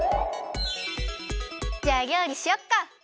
じゃありょうりしよっか。